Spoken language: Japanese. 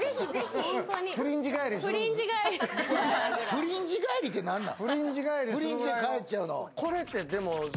フリンジ帰りって何なん？